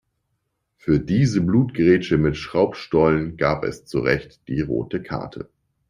Für diese Blutgrätsche mit Schraubstollen gab es zurecht die rote Karte.